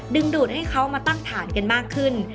ดูดให้เขามาตั้งฐานกันมากขึ้น